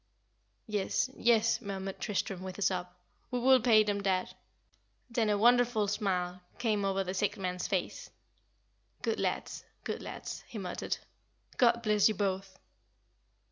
"Yes, yes," murmured Tristram, with a sob; "we will pay them, dad." Then a wonderful smile came over the sick man's face. "Good lads, good lads," he muttered. "God bless you both!"